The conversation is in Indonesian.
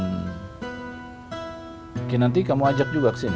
mungkin nanti kamu ajak juga kesini